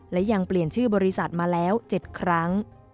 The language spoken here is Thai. และยังเปลี่ยนชื่อบริษัทมาแล้ว๗ครั้ง